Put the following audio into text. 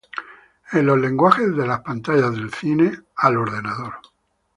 En "Los lenguajes de las pantallas: del cine al ordenador.